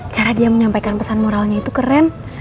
cara dia menyampaikan pesan moralnya itu keren